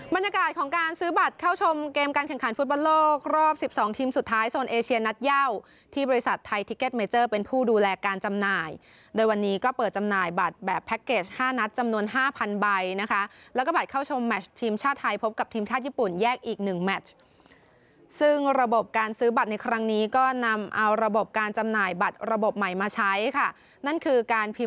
บรรยากาศของการซื้อบัตรเข้าชมเกมการแข่งขันฟุตบอลโลกรอบสิบสองทีมสุดท้ายโซนเอเชียนนัดเย่าที่บริษัทไทยทิเก็ตเมเจอร์เป็นผู้ดูแลการจำนายโดยวันนี้ก็เปิดจำนายบัตรแบบแพ็คเกจห้านัดจำนวนห้าพันใบนะคะแล้วก็บัตรเข้าชมแมชทีมชาติไทยพบกับทีมชาติญี่ปุ่นแยกอีกหนึ